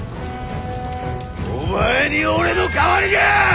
お前に俺の代わりが！